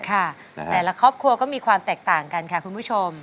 แต่ละครอบครัวก็มีความแตกต่างกันค่ะคุณผู้ชม